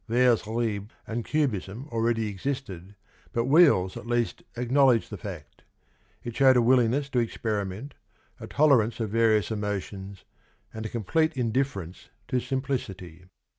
Vers libre and Cubism already existed, but 'Wheels' at least acknowledged the fact ; it showed a willingness to experiment, a tolerance of various emotions, and a complete indifference to simplicity.